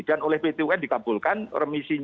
dan oleh pt un dikabulkan remisi